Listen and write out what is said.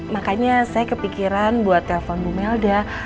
makanya saya kepikiran buat telpon bu melda